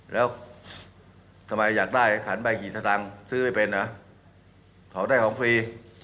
แล้วทำไมอยากได้ขันใบกี่สตางค์ซื้อไม่เป็นนะเขาได้ของฟรี